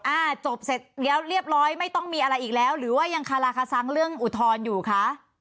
อ่าจบเสร็จแล้วเรียบร้อยไม่ต้องมีอะไรอีกแล้วหรือว่ายังคาราคาซังเรื่องอุทธรณ์อยู่คะ